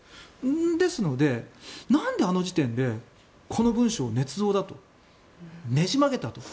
ですので、なんであの時点でこの文書をねつ造だとねじ曲げたと。